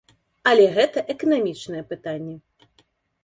Але гэта эканамічныя пытанні.